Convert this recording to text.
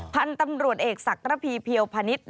พันธุ์ตำรวจเอกศักระพีเพียวพนิษฐ์